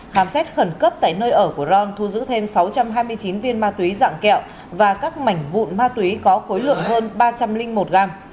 khám xét khẩn cấp tại nơi ở của ron thu giữ thêm sáu trăm hai mươi chín viên ma túy dạng kẹo và các mảnh vụn ma túy có khối lượng hơn ba trăm linh một gram